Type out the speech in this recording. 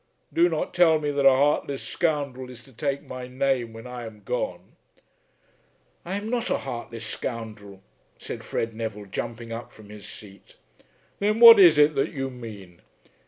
Do not tell me that a heartless scoundrel is to take my name when I am gone." "I am not a heartless scoundrel," said Fred Neville, jumping up from his seat. "Then what is it that you mean?